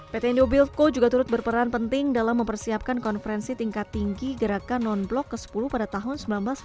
pt indobilco juga turut berperan penting dalam mempersiapkan konferensi tingkat tinggi gerakan non blok ke sepuluh pada tahun seribu sembilan ratus sembilan puluh